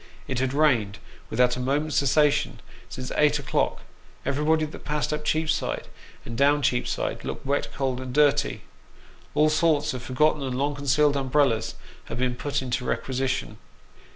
It had rained, without a moment's cessation, since eight o'clock ; everybody that passed up Cheapside, and down Cheapside, looked wet, cold, and dirty. All sorts of forgotten and long concealed umbrellas had been put into requisition.